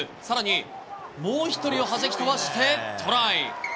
更に、もう１人をはじき飛ばしてトライ。